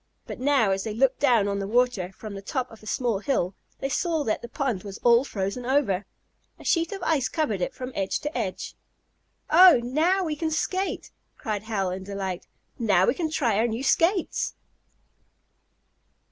But now as they looked down on the water, from the top of a small hill, they saw that the pond was all frozen over. A sheet of ice covered it from edge to edge. "Oh, now we can skate!" cried Hal in delight, "Now we can try our new skates."